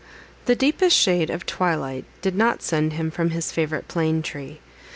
The deepest shade of twilight did not send him from his favourite plane tree.